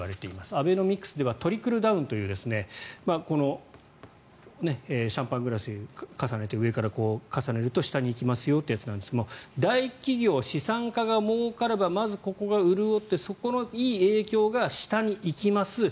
アベノミクスではトリクルダウンというシャンパングラスを重ねて上から重ねると下に行きますよというやつなんですが大企業・資産家がもうかればまずここが潤ってそこのいい影響が下に行きます。